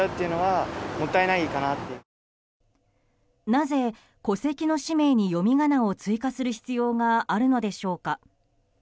なぜ、戸籍の氏名に読み仮名を追加する必要があるのでしょうか。